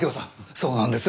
そうなんですよ。